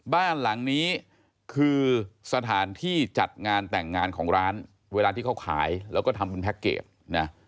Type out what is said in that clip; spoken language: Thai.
บ้านหลังนี้คือสถานที่จัดงานแต่งงานของร้านเวลาที่เขาขายแล้วก็ทำเป็นแพ็คเกจนะ